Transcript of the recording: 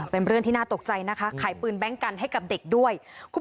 เป็นเรื่องที่น่าตกใจนะคะขายปืนแบงค์กันให้กับเด็กด้วย